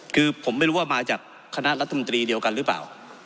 คือผมไม่รู้ว่ามาจากคณะรัฐมนตรีเดียวกันหรือเปล่า